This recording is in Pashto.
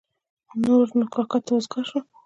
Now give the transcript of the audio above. نور نو کاکا ته وزګار شوم.